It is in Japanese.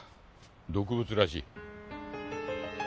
毒物らしい。